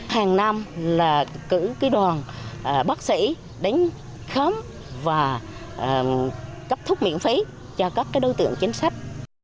hàng năm là cử cái đoàn bác sĩ đánh khóm và cấp thuốc miễn phí cho các đối tượng chính sách